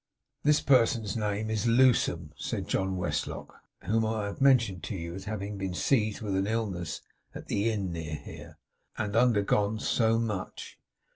'This person's name is Lewsome,' said John Westlock, 'whom I have mentioned to you as having been seized with an illness at the inn near here, and undergone so much.